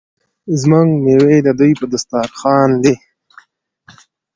زموږ میوې د دوی په دسترخان دي.